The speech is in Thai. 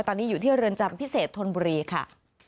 ตอนนี้อยู่ที่เรือนจำพิเศษธนบุรีค่ะ